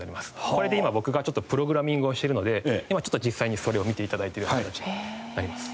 これで今僕がプログラミングをしてるので今ちょっと実際にそれを見て頂いてるような形になります。